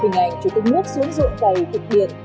hình ảnh chủ tịch nước xuống dụng cầy thực hiện